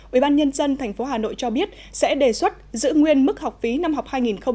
ubnd tp hà nội cho biết sẽ đề xuất giữ nguyên mức học phí năm học hai nghìn hai mươi hai nghìn hai mươi một